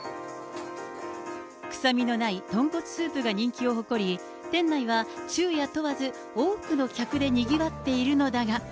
くさみのない豚骨スープが人気を誇り、店内は昼夜問わず多くの客でにぎわっているのだが。